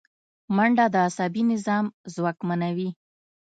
منډه د عصبي نظام ځواکمنوي